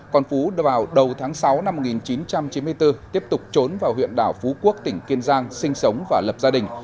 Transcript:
còn phú vào đầu tháng sáu năm một nghìn chín trăm chín mươi bốn tiếp tục trốn vào huyện đảo phú quốc tỉnh kiên giang sinh sống và lập gia đình